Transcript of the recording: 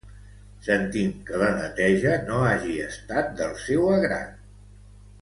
Sentim que la neteja no hagi estat del seu agrat.